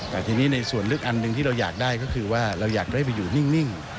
แต่ทีนี้ในส่วนลึกอันหนึ่งที่เราอยากได้ก็คือว่าเราอยากได้ไปอยู่นิ่ง